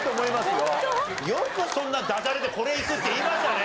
よくそんなダジャレでこれいくって言いましたね。